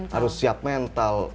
harus siap mental